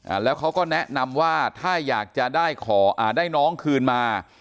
แล้วเขาก็แนะนำว่าถ้าอยากจะได้ขออ่าได้น้องคืนมา